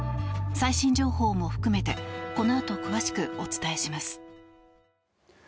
最新情報も含めてこのあと詳しくお伝えします。